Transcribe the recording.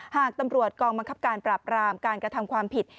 หากตำรวจกองบังคับการปราบรามการกระทำความผิด